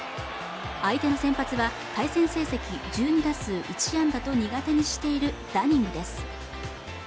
相手の先発は対戦成績１２打数１安打と苦手にしているダニングです